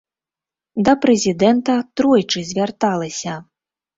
Да прэзідэнта тройчы звярталася.